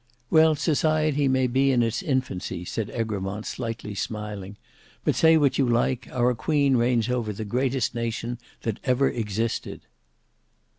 "Well, society may be in its infancy," said Egremont slightly smiling; "but, say what you like, our Queen reigns over the greatest nation that ever existed."